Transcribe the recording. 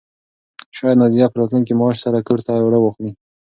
شاید نازیه په راتلونکي معاش سره کور ته اوړه واخلي.